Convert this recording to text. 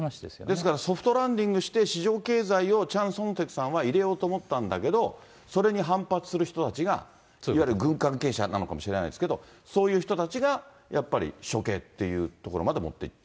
ですからソフトランディングして、市場経済をチャン・ソンテクさんは入れようと思ったんだけども、それに反発する人たちが、いわゆる軍関係者なのかもしれないですけれども、そういう人たちがやっぱり処刑っていうところまで持っていった。